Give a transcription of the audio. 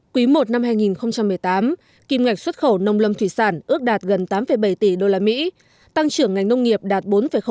quý i năm hai nghìn một mươi tám kim ngạch xuất khẩu nông lâm thủy sản ước đạt gần tám bảy tỷ usd tăng trưởng ngành nông nghiệp đạt bốn năm